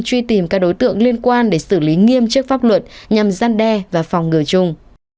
truy tìm các đối tượng liên quan để xử lý nghiêm chức pháp luật nhằm gian đe và phòng ngừa chung